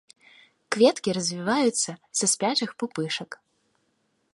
Кветкі развіваюцца са спячых пупышак.